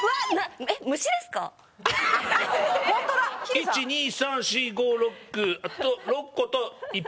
１２３４５６と６個と１匹。